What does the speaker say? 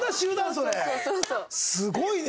すごいね。